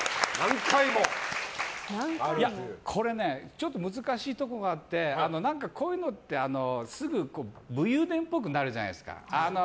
ちょっと難しいとこがあってこういうのってすぐ武勇伝っぽくなるじゃないですか。